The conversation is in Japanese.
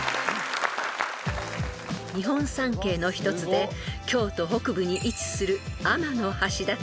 ［日本三景の一つで京都北部に位置する］